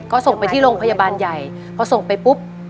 ก็ส่งไปที่โรงพยาบาลใหญ่พอส่งไปปุ๊บ